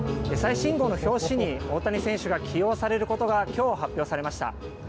最新号の表紙に、大谷選手が起用されることが、きょう発表されました。